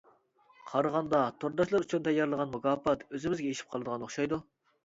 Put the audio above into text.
قارىغاندا تورداشلار ئۈچۈن تەييارلىغان مۇكاپات ئۆزىمىزگە ئېشىپ قالىدىغان ئوخشايدۇ.